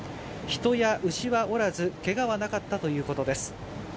人や牛はおらず、けがはなかったということです。